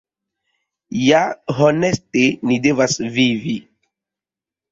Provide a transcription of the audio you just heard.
Ja honeste ni devas vivi.